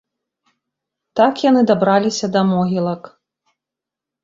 Так яны дабраліся да могілак.